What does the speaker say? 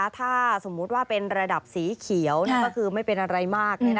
ถ้าสมมุติว่าเป็นระดับสีเขียวก็คือไม่เป็นอะไรมาก